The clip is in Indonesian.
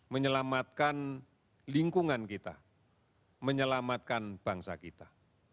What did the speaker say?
menyelamatkan lingkungan kita menyelamatkan bangsa kita